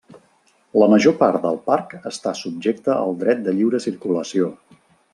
La major part del parc està subjecta al dret de lliure circulació.